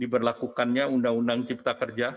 diberlakukannya undang undang cipta kerja